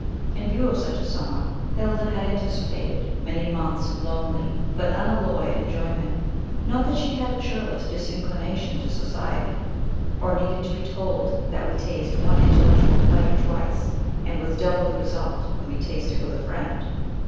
In view of such a summer, Hilda had anticipated many months of lonely, but unalloyed enjoyment. Not that she had a churlish disinclination to society, or needed to be told that we taste one intellectual pleasure twice, and with double the result, when we taste it with a friend.